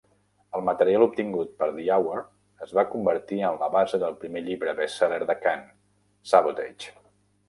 El material obtingut per The Hour es va convertir en la base del primer llibre best-seller de Kahn, Sabotage!